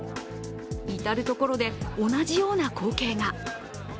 至る所で同じような光景が。